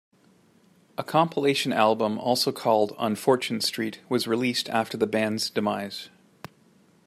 A compilation album, also called "On Fortune Street", was released after the band's demise.